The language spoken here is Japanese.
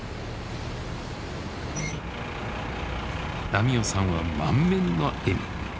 波男さんは満面の笑み。